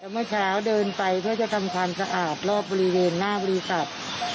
เมื่อเช้าเดินไปเพื่อจะทำความสะอาดรอบบริเวณหน้าบริษัท